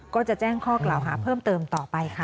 ก็จะแจ้งข้อกล่าวหาเพิ่มเติมต่อไปค่ะ